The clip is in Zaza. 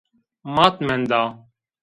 Mat menda